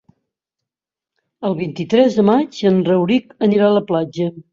El vint-i-tres de maig en Rauric anirà a la platja.